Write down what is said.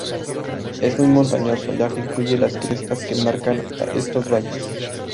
Es muy montañoso, ya que incluye las crestas que enmarcan estos valles.